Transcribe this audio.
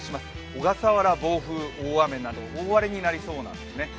小笠原、暴風・大雨など大荒れになりそうなんですね。